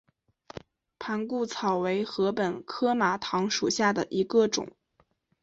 盘固草为禾本科马唐属下的一个种。